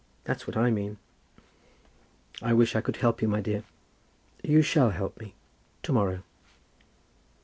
That's what I mean." "I wish I could help you, my dear." "You shall help me, to morrow."